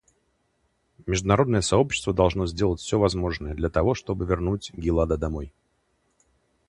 Международное сообщество должно сделать все возможное для того, чтобы вернуть Гилада домой.